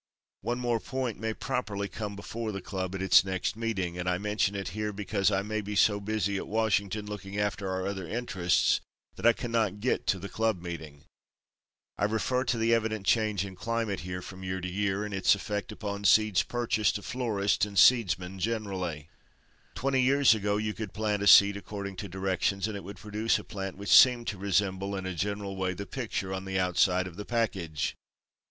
One more point may properly come before the club at its next meeting, and I mention it here because I may be so busy at Washington looking after our other interests that I cannot get to the club meeting. I refer to the evident change in climate here from year to year, and its effect upon seeds purchased of florists and seedsmen generally. Twenty years ago you could plant a seed according to directions and it would produce a plant which seemed to resemble in a general way the picture on the outside of the package.